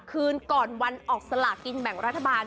คืนก่อนวันออกสลากินแบ่งรัฐบาล